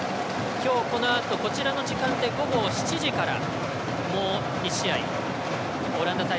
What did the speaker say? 今日このあとこちらの時間で午後７時からもう１試合オランダ対